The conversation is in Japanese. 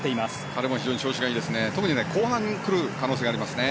彼も非常に調子がいいですね。